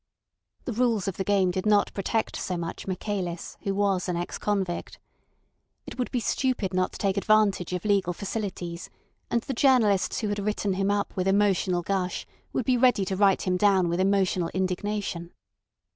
The rules of the game did not protect so much Michaelis, who was an ex convict. It would be stupid not to take advantage of legal facilities, and the journalists who had written him up with emotional gush would be ready to write him down with emotional indignation.